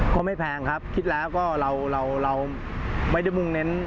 ก็ไม่แพงครับคิดแล้วก็เราไม่ได้มุ่งเน้น